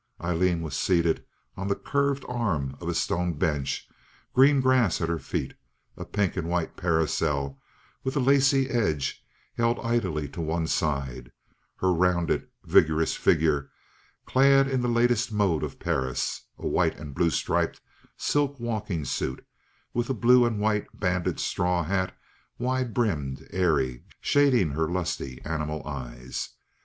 Aileen was seated on the curved arm of a stone bench, green grass at her feet, a pink and white parasol with a lacy edge held idly to one side; her rounded, vigorous figure clad in the latest mode of Paris, a white and blue striped silk walking suit, with a blue and white banded straw hat, wide brimmed, airy, shading her lusty, animal eyes.